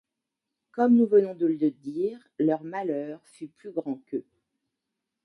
Comme nous venons de le dire, leur malheur fut plus grand qu’eux.